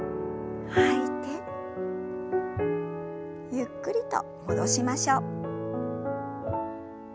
ゆっくりと戻しましょう。